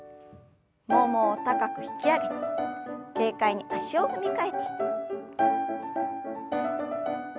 ももを高く引き上げて軽快に足を踏み替えて。